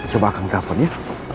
coba akan telepon ya